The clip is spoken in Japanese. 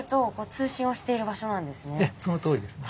ええそのとおりですね。